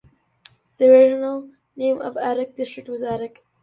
The original name of Attock District was Attock.